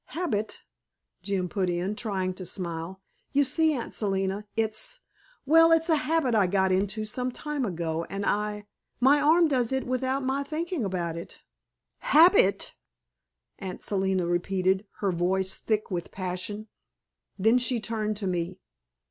"Habit!" Jim put in, trying to smile. "You see, Aunt Selina, it's well, it's a habit I got into some time ago, and I my arm does it without my thinking about it." "Habit!" Aunt Selina repeated, her voice thick with passion. Then she turned to me.